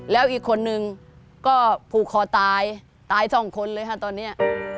แล้วอีกคนนึงก็ผูกคอตายตายสองคนเลยค่ะตอนนี้